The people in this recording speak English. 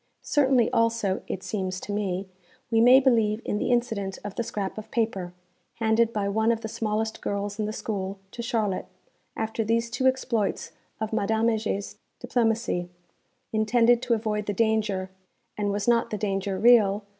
Certainly also (it seems to me) we may believe in the incident of the scrap of paper, handed by one of the smallest girls in the school, to Charlotte, after these two exploits of Madame Heger's diplomacy, intended to avoid the danger _and was not the danger real?